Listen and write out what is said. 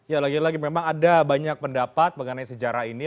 ya lagi lagi memang ada banyak pendapat mengenai sejarah ini